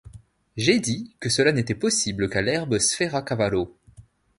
J’ai dit que cela n’était possible qu’à l’herbe sferra-cavallo.